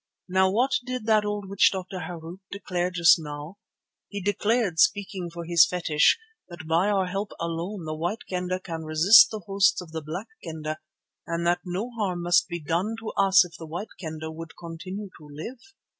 Now what did that old witch doctor Harût declare just now? He declared, speaking for his fetish, that by our help alone the White Kendah can resist the hosts of the Black Kendah and that no harm must be done to us if the White Kendah would continue to live.